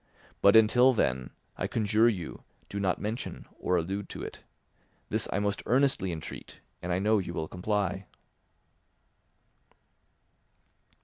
But until then, I conjure you, do not mention or allude to it. This I most earnestly entreat, and I know you will comply."